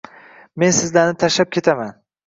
Men sizlarni tashlab ketaman